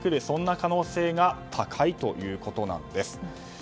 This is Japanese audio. そんな可能性が高いということです。